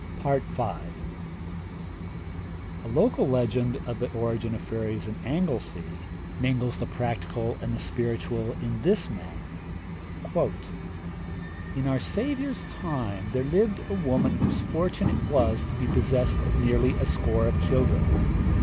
FOOTNOTE: Jonson, Masque of 'Oberon.' V. A local legend of the origin of fairies in Anglesea mingles the practical and the spiritual in this manner: 'In our Saviour's time there lived a woman whose fortune it was to be possessed of nearly a score of children